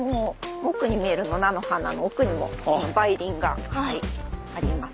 奥に見える菜の花の奥にも梅林があります。